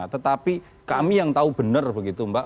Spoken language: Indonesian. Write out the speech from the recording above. tetapi kami yang tahu benar begitu mbak